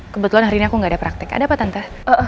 kebetulan hari ini aku gak ada praktek ada apa tante